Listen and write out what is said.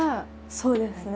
そうですね。